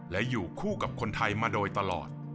และอยู่คู่กับคนไทยมาโดยตลอด